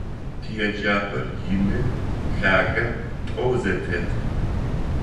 ТиеджапӀэр ины, лъагэ, тӀоу зэтет.